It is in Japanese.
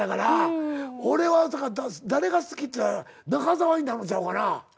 俺は誰が好きって中澤になるんちゃうかな。